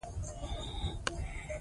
په دسترخان ناست یم یعنی ډوډی خورم